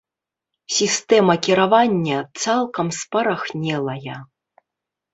Сістэма кіравання цалкам спарахнелая.